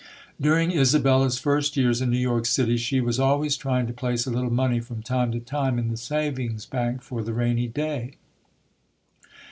During Isabella's first years in New York City, she was always trying to place a little money from time to time in the savings bank for the rainy day.